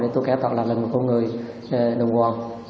để tôi kẻ tạo lại một con người đồng hồ